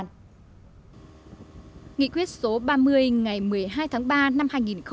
nghị quyết số ba mươi ngày một mươi hai tháng ba năm hai nghìn một mươi